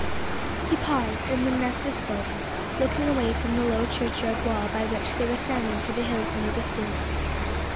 He paused, and then Nesta spoke, looking away from the low churchyard wall by which they were standing to the hills in the distance.